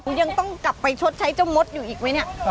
คุณยังต้องกลับไปชดใช้เจ้ามดอยู่อีกไหมเนี่ย